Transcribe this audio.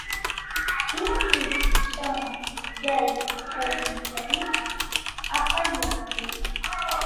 I frutti sono dei follicoli appaiati.